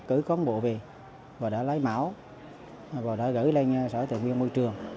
cử công bộ về và đã lấy máu và đã gửi lên sở tự nguyên môi trường